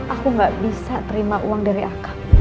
aku gak bisa terima uang dari aka